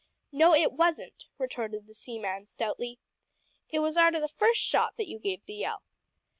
"No, it wasn't," retorted the seaman stoutly. "It was arter the first shot that you gave the yell.